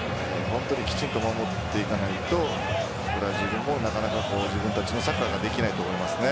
本当にきちんと守っていかないとブラジルもなかなか自分たちのサッカーができないと思いますね。